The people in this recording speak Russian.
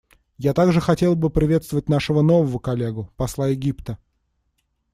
Я также хотела бы приветствовать нашего нового коллегу — посла Египта.